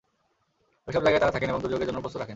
এসব জায়গায় তাঁরা থাকেন এবং দুর্যোগের জন্য প্রস্তুত রাখেন।